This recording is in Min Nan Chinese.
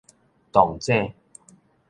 撞井